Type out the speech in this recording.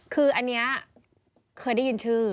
คืออันนี้เคยได้ยินชื่อ